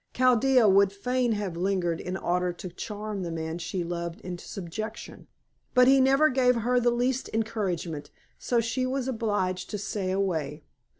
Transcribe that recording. Chaldea would fain have lingered in order to charm the man she loved into subjection; but he never gave her the least encouragement, so she was obliged to stay away.